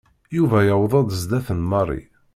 Yuba yewweḍ-d zdat n Mary.